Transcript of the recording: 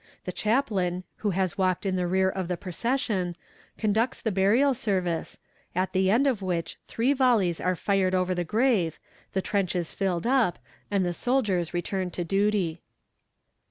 The chaplain, who has walked in the rear of the procession, conducts the burial service, at the end of which three volleys are fired over the grave, the trench is filled up, and the soldiers return to duty.